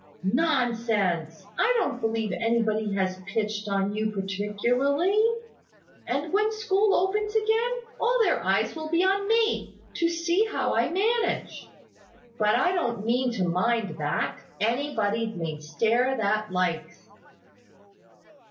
"Nonsense! I don't believe anybody has pitched on you particularly. And when school opens again, all their eyes will be on me, to see how I manage. But I don't mean to mind that. Anybody may stare that likes."